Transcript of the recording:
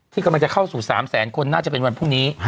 กำลังจะเข้าสู่๓แสนคนน่าจะเป็นวันพรุ่งนี้